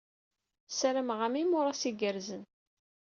Ssarameɣ-am imuras igerrzen.